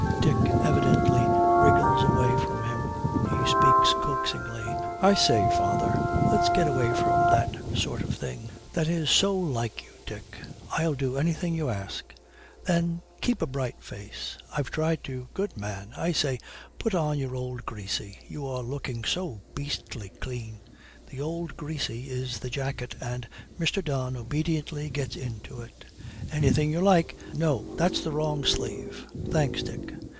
Dick evidently wriggles away from them. He speaks coaxingly. 'I say, father, let's get away from that sort of thing.' 'That is so like you, Dick! I'll do anything you ask.' 'Then keep a bright face.' 'I've tried to.' 'Good man! I say, put on your old greasy; you are looking so beastly clean.' The old greasy is the jacket, and Mr. Don obediently gets into it. 'Anything you like. No, that's the wrong sleeve. Thanks, Dick.'